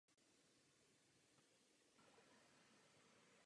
Znaky symbolizují zemědělské zaměření obce.